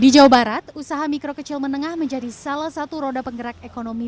di jawa barat usaha mikro kecil menengah menjadi salah satu roda penggerak ekonomi